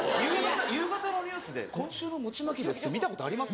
夕方のニュースで「今週の餅まきです」って見たことあります？